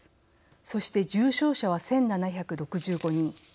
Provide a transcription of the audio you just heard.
そして重症者は１７６５人。